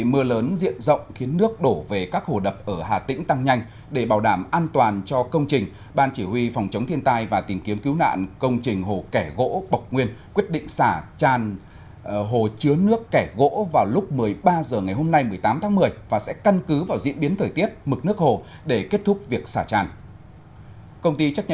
mưa lớn diện rộng khiến nước đổ về các hồ đập ở hà tĩnh tăng nhanh để bảo đảm an toàn cho công trình ban chỉ huy phòng chống thiên tai và tìm kiếm cứu nạn công trình hồ kẻ gỗ bọc nguyên quyết định sả tràn hồ chứa nước kẻ gỗ vào lúc một mươi ba h ngày hôm nay một mươi tám tháng một mươi và sẽ căn cứ vào diễn biến thời tiết mực nước hồ để kết thúc việc sả tràn